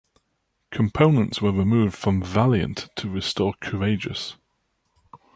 Components were removed from "Valiant" to restore "Courageous".